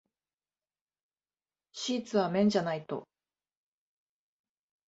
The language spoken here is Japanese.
シーツは綿じゃないと。